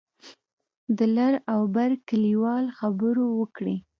د لر او بر کلیوال خبرو وکړې.